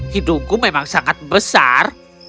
hidungku memang sangat besar